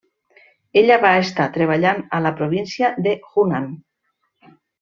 Ella va estar treballant a la província de Hunan.